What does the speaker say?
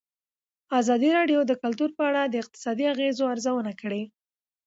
ازادي راډیو د کلتور په اړه د اقتصادي اغېزو ارزونه کړې.